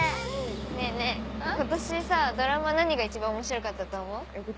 ねぇねぇ今年さドラマ何が一番面白かったと思う？